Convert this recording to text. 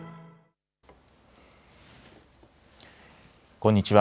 こんにちは。